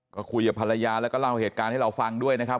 ก็คุยกับภรรยาแล้วก็เล่าเหตุการณ์ให้เราฟังด้วยนะครับ